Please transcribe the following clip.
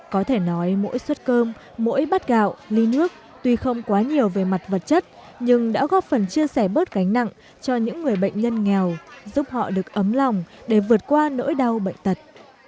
có thể nói mỗi xuất cơm mỗi bát gạo ly nước tuy không quá nhiều về mặt vật chất nhưng đã góp phần chia sẻ bớt gánh nặng cho những người bệnh nhân nghèo giúp họ được ấm lòng để vượt qua nỗi đau bệnh tật